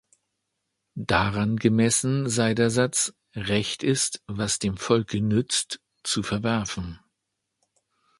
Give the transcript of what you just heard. Daran gemessen sei der Satz „Recht ist, was dem Volke nützt“ zu verwerfen.